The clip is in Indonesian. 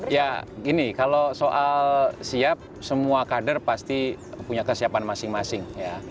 ya gini kalau soal siap semua kader pasti punya kesiapan masing masing